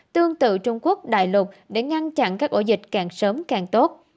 tương tự trung quốc đại lục để ngăn chặn các ổ dịch càng sớm càng tốt